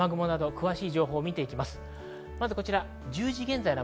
雨雲などの詳しい情報を見ていきます。